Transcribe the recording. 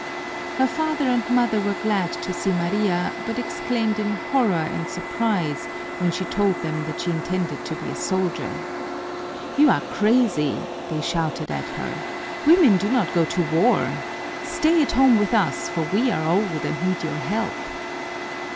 Her father and mother were glad to see Maria, but exclaimed in horror and surprise when she told them that she intended to be a soldier. "You are crazy," they shouted at her. "Women do not go to war! Stay at home with us, for we are old and need your help."